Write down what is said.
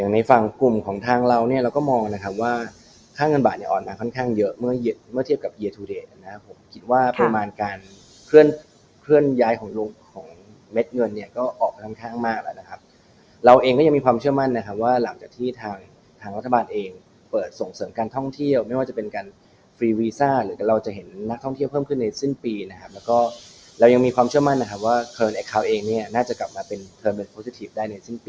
นะครับผมคิดว่าประมาณการเคลื่อนเคลื่อนย้ายของโลกของเม็ดเงินเนี่ยก็ออกไปตามข้างมากแล้วนะครับเราเองก็ยังมีความเชื่อมั่นนะครับว่าหลังจากที่ทางทางรัฐบาลเองเปิดส่งเสริมการท่องเที่ยวไม่ว่าจะเป็นการฟรีวีซ่าหรือก็เราจะเห็นนักท่องเที่ยวเพิ่มขึ้นในสิ้นปีนะครับแล้วก็เรายังมีความเชื่อมั่นนะครับว่า